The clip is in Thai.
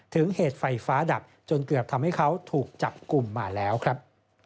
เหตุไฟฟ้าดับจนเกือบทำให้เขาถูกจับกลุ่มมาแล้วครับ